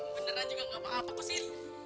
beneran juga gak apa apa kesini